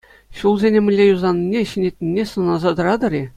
Ҫулсене мӗнле юсанине, ҫӗнетнине сӑнаса тӑратӑр-и?